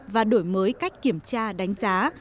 và đổi mới cách kiểm tra đánh giá